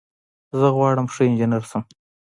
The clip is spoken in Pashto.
زه غواړم ښه انجنیر شم.